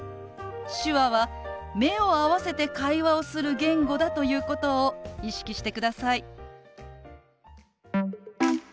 手話は目を合わせて会話をする言語だということを意識してください。